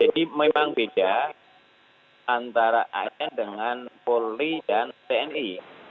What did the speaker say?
jadi memang ada kesempatan antara asn dengan polri dan tni